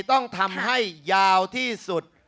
ต้องทำให้ยาวที่สุด